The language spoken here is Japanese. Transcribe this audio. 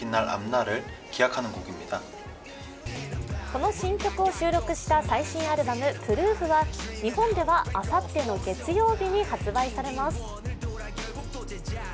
この新曲を収録した最新アルバム「Ｐｒｏｏｆ」は日本ではあさっての月曜日に発売されます。